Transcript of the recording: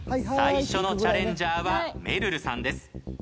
最初のチャレンジャーはめるるさんです。